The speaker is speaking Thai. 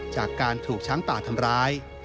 จากการถูกช้างป่าทำร้าย